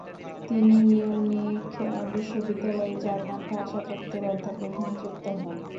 তিনি মিউনিখ বিশ্ববিদ্যালয়ে জার্মান ভাষাতত্ত্বের অধ্যাপক নিযুক্ত হন।